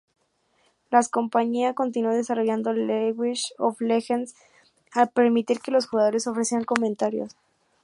La compañía continuó desarrollando League of Legends al permitir que los jugadores ofrecieran comentarios.